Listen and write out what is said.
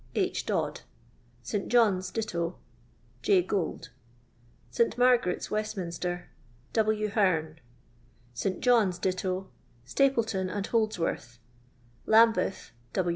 . H. Dodd. St. John's, ditto J. Gould. St. Marcaret'SiWcstminster W. Hoamc. St. John's, ditto Stapleton and Holdsworth. Lambeth.